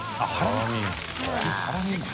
△ハラミか！